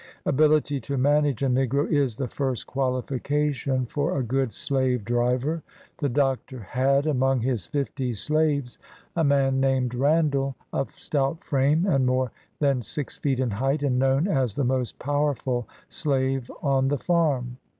Ability to manage a negro is the first qualification for a good slave driver. The Doctor had. among his fifty slaves, a man named Eandall, of stout frame, and more than six feet in height, and known as the most powerful slave on the farm.